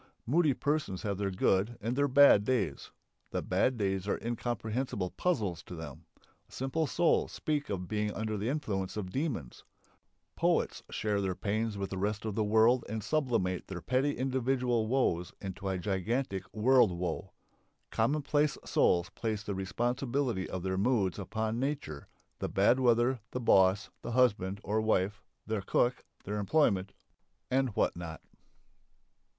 Moody persons have their good and their bad days. The bad days are incomprehensible puzzles to them. Simple souls speak of being under the influence of demons; poets share their pains with the rest of the world and "sublimate" their petty individual woes into a gigantic world woe; commonplace souls place the responsibility for their moods upon "nature," the bad weather, the boss, the husband, or wife, their cook, their employment, and what not.